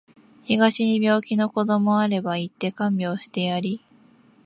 東に病気の子どもあれば行って看病してやり